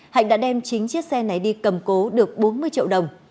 hạnh đã đem chín chiếc xe này đi cầm cố được bốn mươi triệu đồng